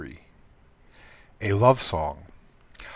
_ A LOVE SONG.